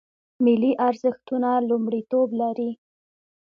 ملي ارزښتونه لومړیتوب لري